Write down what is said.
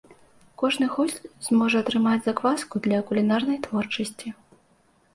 Кожны госць зможа атрымаць закваску для кулінарнай творчасці.